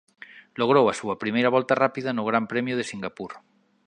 Logrou a súa primeira volta rápida no Gran Premio de Singapur.